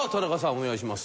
お願いします。